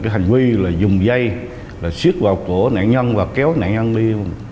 hành vi là dùng dây xuyết vào cổ nạn nhân và kéo nạn nhân đi